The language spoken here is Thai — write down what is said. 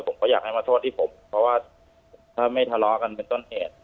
ผมก็อยากให้มาโทษที่ผมเพราะว่าถ้าไม่ทะเลาะกันเป็นต้นเหตุ